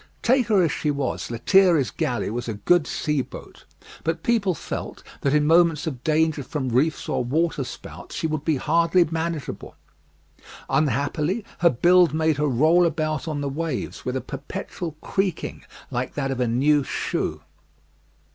Take her as she was, "Lethierry's Galley" was a good sea boat; but people felt, that in moments of danger from reefs or waterspouts, she would be hardly manageable. Unhappily her build made her roll about on the waves, with a perpetual creaking like that of a new shoe.